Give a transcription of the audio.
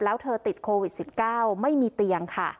แล้วเธอติดโควิด๑๙ไม่มีเตียงค่ะ